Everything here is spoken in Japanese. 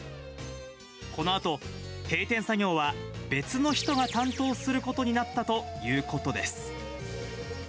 このあと、閉店作業は別の人が担当することになったということです。